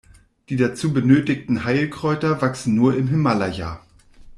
Die dazu benötigten Heilkräuter wachsen nur im Himalaja.